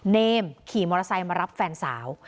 เนมขี่มอเตอร์ไซค์มารับแฟนสาว